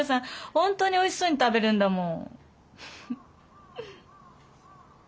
本当においしそうに食べるんだもん。